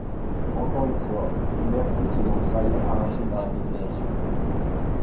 Encore une fois, Omer crut ses entrailles arrachées par la détonation.